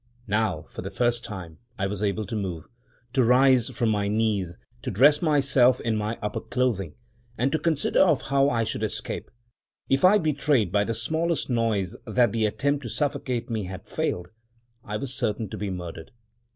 Now, for the first time, I was able to move — to rise from my knees — to dress myself in my upper clothing — and to consider of how I should escape. If I betrayed by the smallest noise that the attempt to suffocate me had failed, I was certain to be murdered.